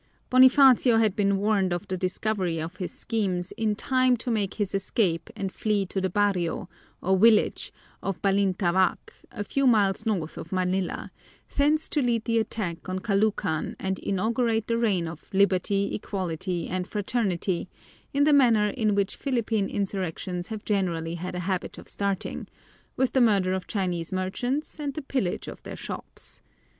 Bonifacio had been warned of the discovery of his schemes in time to make his escape and flee to the barrio, or village, of Balintawak, a few miles north of Manila, thence to lead the attack on Caloocan and inaugurate the reign of Liberty, Equality, and Fraternity in the manner in which Philippine insurrections have generally had a habit of starting with the murder of Chinese merchants and the pillage of their shops.